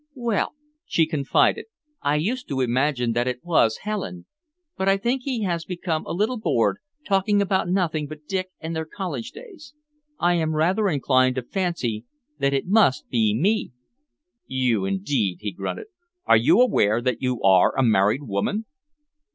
"Well," she confided, "I used to imagine that it was Helen, but I think that he has become a little bored, talking about nothing but Dick and their college days. I am rather inclined to fancy that it must be me." "You, indeed!" he grunted. "Are you aware that you are a married woman?"